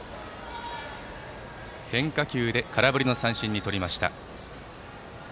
変化球で空振り三振に取りました。